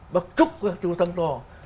bác chúc các chú thắng to